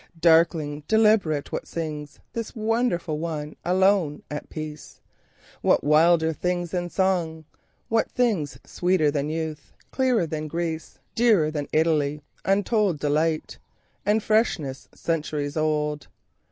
Darkling, deliberate, what singsThis wonderful one, alone, at peace? What wilder things than song, what thingsSweeter than youth, clearer than Greece, Dearer than Italy, untoldDelight, and freshness centuries old?